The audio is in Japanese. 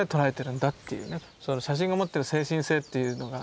その写真が持ってる精神性っていうのが。